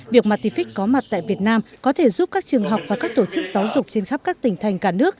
việc martific có mặt tại việt nam có thể giúp các trường học và các tổ chức giáo dục trên khắp các tỉnh thành cả nước